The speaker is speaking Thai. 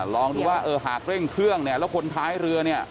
ลองดูว่าหากเร่งเครื่องแล้วคนท้ายเรือ